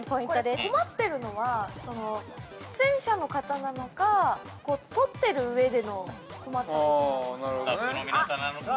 ◆これ困っているのは出演者の方なのか、撮っている上での困ったことなのか。